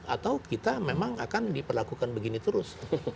atau kita memang akan diperlakukan begini terus